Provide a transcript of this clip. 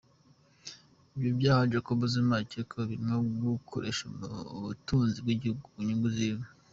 Ivyo vyaha Jacob Zuma akekwako, birimwo gukoresha ubutunzi bw'igihugu ku nyungu ziwe.